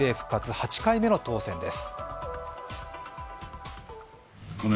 ８回目の当選です。